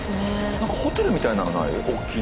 何かホテルみたいなのない？